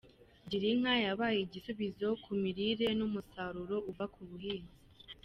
Girinka yabaye igisubizo ku mirire n’umusaruro uva ku buhinzi.